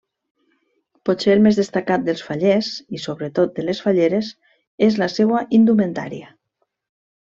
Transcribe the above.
Potser el més destacat dels fallers i, sobretot, de les falleres, és la seua indumentària.